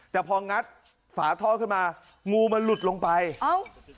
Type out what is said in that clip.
แต่พองัดฝาท่อขึ้นมางูมันหลุดลงไปเอ้า